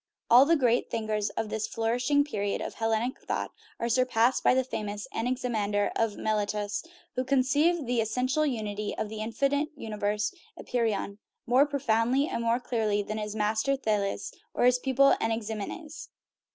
All the great thinkers of this flour ishing period of Hellenic thought are surpassed by the famous Anaximander, of Miletus, who conceived the essential unity of the infinite universe (apeiron) more profoundly and more clearly than his master, Thales, or his pupil, Anaximenes.